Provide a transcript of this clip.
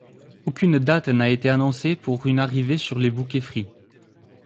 Aucune date n'a été annoncée pour une arrivée sur les bouquets Free.